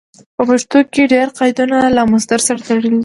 په پښتو کې ډېر قیدونه له مصدر سره تړلي دي.